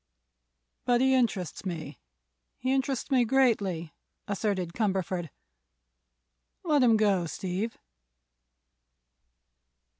"But he interests me—he interests me greatly," asserted Cumberford. "Let him go, Steve."